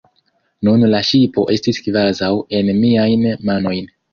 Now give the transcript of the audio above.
Nun la ŝipo estis kvazaŭ en miajn manojn.